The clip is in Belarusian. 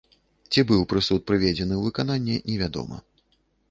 Ці быў прысуд прыведзены ў выкананне, невядома.